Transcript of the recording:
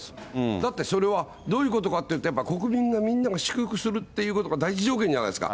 だって、それはどういうことかというと、やっぱり国民がみんなが祝福するっていうことが第一条件じゃないですか。